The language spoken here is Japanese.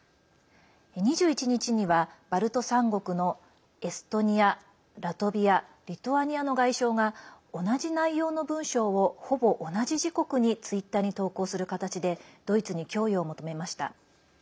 ２１日には、バルト３国のエストニア、ラトビアリトアニアの外相が同じ内容の文章をほぼ同じ時刻にツイッターに投稿する形でドイツに供与を求めました。